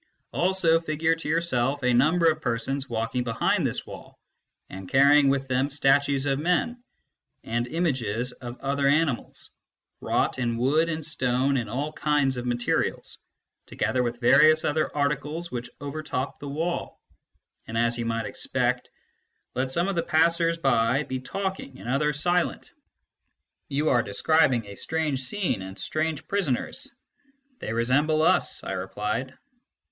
Also figure to yourself a number of persons walking behind this wall, and carrying with them statues of men, and images of other animals, wrought in wood and stone and all kinds of materials, together with various other articles, which overtop the wall ; and, as you might expect, let some of the passers by be talking, and others silent. 1 Republic, 514, translated by Davies and Vaughan. MYSTICISM AND LOGIC * You are describing a strange scene, and strange prisoners. They resemble us, I replied.